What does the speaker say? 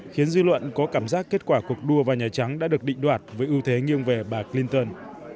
khiến dư luận có cảm giác kết quả cuộc đua vào nhà trắng đã được định đoạt với ưu thế nghiêng về bà clinton